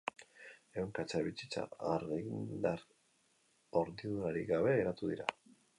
Ehunka etxebizitza argindar-hornidurarik gabe geratu dira.